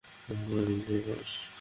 এই যে, বস।